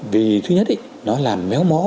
vì thứ nhất nó làm méo mó